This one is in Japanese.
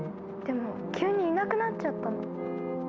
でも急にいなくなっちゃったの。